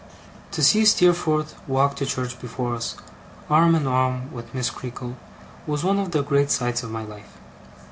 To see Steerforth walk to church before us, arm in arm with Miss Creakle, was one of the great sights of my life.